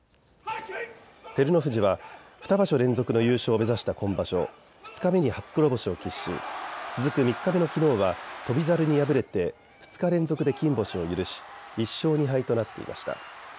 照ノ富士は２場所連続の優勝を目指した今場所、２日目に初黒星を喫し続く３日目のきのうは翔猿に敗れて２日連続で金星を許し１勝２敗となっていました。